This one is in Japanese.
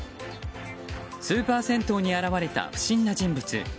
スーパー銭湯に現れた不審な人物。